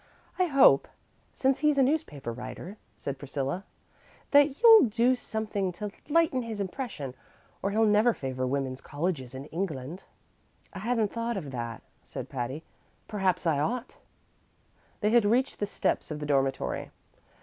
"I hope, since he's a newspaper writer," said Priscilla, "that you'll do something to lighten his impression, or he'll never favor women's colleges in England." "I hadn't thought of that," said Patty; "perhaps I ought." They had reached the steps of the dormitory.